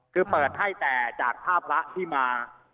คือเปิดให้แต่จากท่าพระที่มา